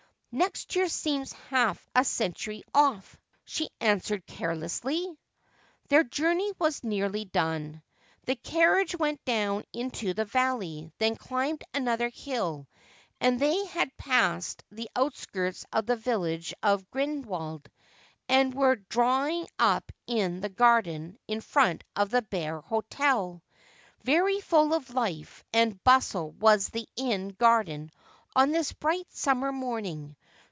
' Next year seems half a century off:,' she answered care lessly. Their journey was nearly done. The carriage went down into the valley, then climbed another hill, and they had passed the outskirts of the village of Grindelwald, and were drawing up in the garden in front of the Bear Hotel. Very full of life and bustle was the inn garden on this bright summer morning.